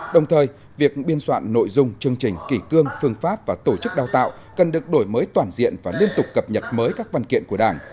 đồng thời việc biên soạn nội dung chương trình kỷ cương phương pháp và tổ chức đào tạo cần được đổi mới toàn diện và liên tục cập nhật mới các văn kiện của đảng